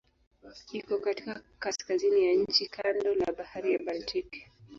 Iko katika kaskazini ya nchi kando la Bahari ya Baltiki.